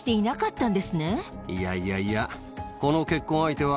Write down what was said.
いやいやいや。